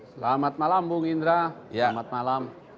selamat malam bung indra